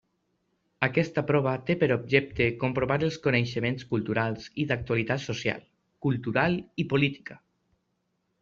Aquesta prova té per objecte comprovar els coneixements culturals i d'actualitat social, cultural i política.